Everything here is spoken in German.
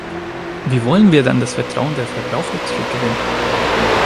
Wie wollen wir dann das Vertrauen der Verbraucher zurückgewinnen?